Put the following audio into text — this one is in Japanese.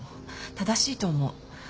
正しいと思う。